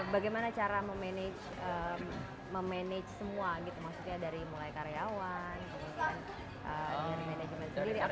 bagaimana cara memanage semua maksudnya dari mulai karyawan kemudian management sendiri